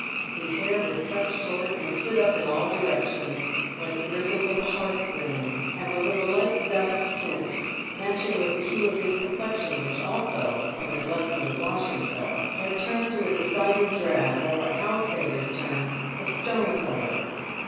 His hair was cut short, and stood up in all directions, like the bristles of a hearth broom, and was of a light dust tint, matching with the hue of his complexion, which also, from neglecting to wash himself, had turned to a decided drab, or what house painters term a stone colour.